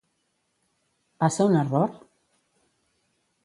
Va ser un error?.